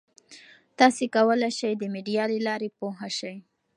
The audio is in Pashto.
تاسي کولای شئ د میډیا له لارې پوهه شئ.